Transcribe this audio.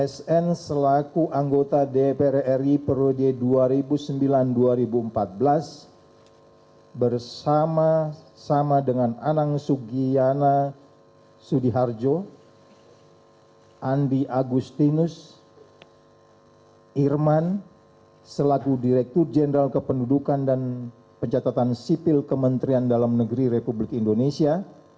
sn selaku anggota dpr ri proje dua ribu sembilan dua ribu empat belas bersama sama dengan anang sugiyana sudiharjo andi agustinus irman selaku direktur jenderal kependudukan dan pencatatan sipil kementerian dalam negeri republik indonesia